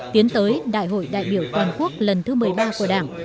tiến tới đại hội đại biểu toàn quốc lần thứ một mươi ba của đảng